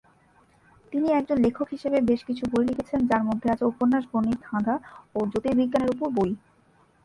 তিনি একজন লেখক হিসেবে বেশ কিছু বই লিখেছেন যার মধ্যে আছে উপন্যাস, গণিত, ধাঁধা ও জ্যোতির্বিজ্ঞানের উপর বই।